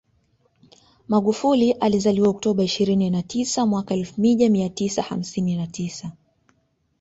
Magufuli alizaliwa Oktoba ishirini na tisa mwaka elfu mija mia tisa hamsini na tisa